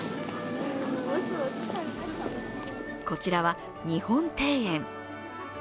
こちらは日本庭園。